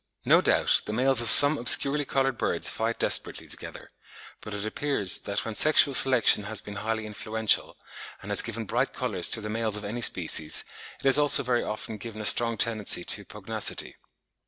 No doubt the males of some obscurely coloured birds fight desperately together, but it appears that when sexual selection has been highly influential, and has given bright colours to the males of any species, it has also very often given a strong tendency to pugnacity.